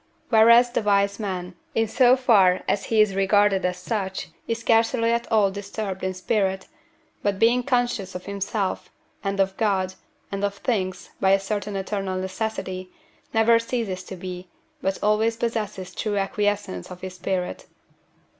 Whereas the wise man, in so far as he is regarded as such, is scarcely at all disturbed in spirit, but, being conscious of himself, and of God, and of things, by a certain eternal necessity, never ceases to be, but always possesses true acquiescence of his spirit.